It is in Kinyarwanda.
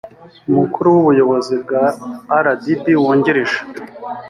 umukuru w ubuyobozi bwa rdb wungirije